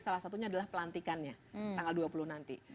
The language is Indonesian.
salah satunya adalah pelantikannya tanggal dua puluh nanti